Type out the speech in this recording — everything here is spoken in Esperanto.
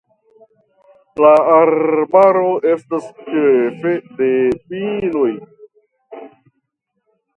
La arbaro estas ĉefe de pinoj.